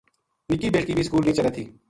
نِکی بیٹکی بھی سکول نیہہ چلے تھیَ